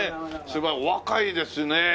すごいお若いですね。